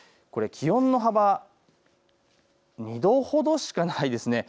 気温の幅、２度ほどしかないですね。